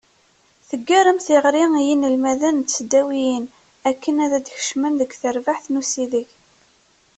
Teggarem tiɣri i yinelmaden n tesdawiyin akken ad d-kecmen deg terbaɛt n usideg.